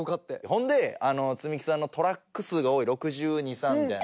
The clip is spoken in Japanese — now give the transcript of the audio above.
ほんであのツミキさんのトラック数が多い６２３みたいな。